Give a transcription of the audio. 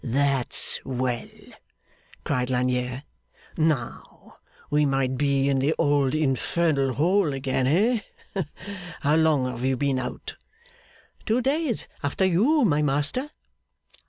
'That's well!' cried Lagnier. 'Now we might be in the old infernal hole again, hey? How long have you been out?' 'Two days after you, my master.